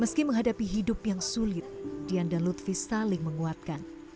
meski menghadapi hidup yang sulit dian dan lutfi saling menguatkan